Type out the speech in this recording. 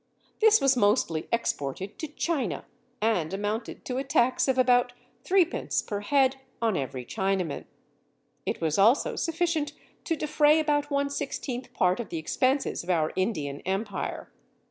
This was mostly exported to China, and amounted to a tax of about threepence per head on every Chinaman; it was also sufficient to defray about one sixteenth part of the expenses of our Indian Empire.